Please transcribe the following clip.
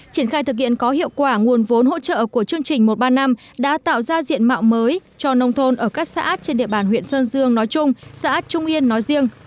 triển khai thực hiện có hiệu quả nguồn vốn hỗ trợ của chương trình một ba năm đã tạo ra diện mạo mới cho nông thôn ở các xã trên địa bàn huyện sơn dương nói chung xã trung yên nói riêng